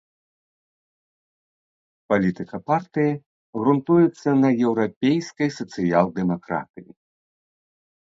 Палітыка партыі грунтуецца на еўрапейскай сацыял-дэмакратыі.